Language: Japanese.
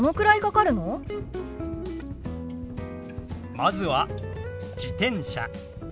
まずは「自転車」。